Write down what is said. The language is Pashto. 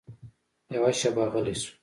يوه شېبه غلى سو.